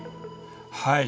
はい。